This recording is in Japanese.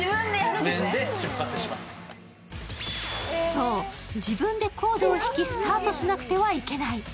そう、自分でコードを引き、スタートしなくてはいけない。